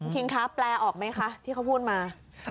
คิงคะแปลออกไหมคะที่เขาพูดมา